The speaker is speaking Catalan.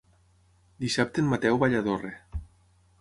Dissabte en Mateu va a Lladorre.